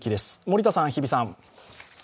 森田さん、日比さん。